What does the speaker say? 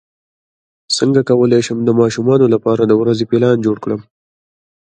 څنګه کولی شم د ماشومانو لپاره د ورځې پلان جوړ کړم